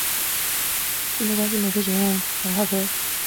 京都关西美术学院洋画科